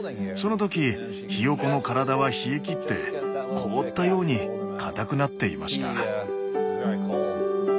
その時ヒヨコの体は冷えきって凍ったようにかたくなっていました。